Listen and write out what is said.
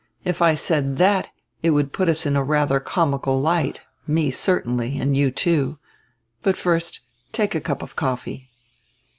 If I said that it would put us in a rather comical light, me certainly, and you, too. But first take a cup of coffee."